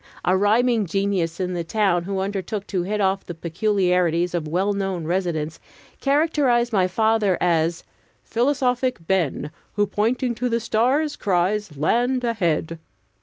A rhyming genius in the town, who undertook to hit off the peculiarities of well known residents, characterized my father as "Philosophic Ben, Who, pointing to the stars, cries, Land ahead!"